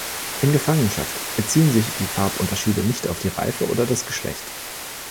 In Gefangenschaft beziehen sich die Farbunterschiede nicht auf die Reife oder das Geschlecht.